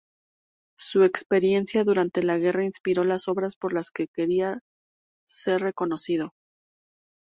Su experiencia durante la guerra inspiró las obras por las que sería reconocido.